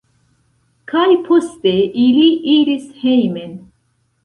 Kaj poste ili iris hejmen.